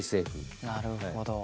なるほど。